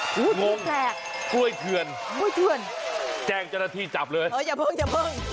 โอ้โฮดูแปลกกล้วยเถื่อนแจ้งจรฐีจับเลยโอ้ยอย่าเพิ่งอย่าเพิ่ง